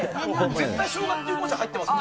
絶対生姜っていう文字入ってますよね。